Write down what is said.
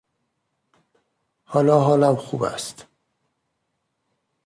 حالا حالم خوب است.